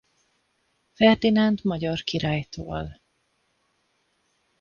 Ferdinánd magyar királytól.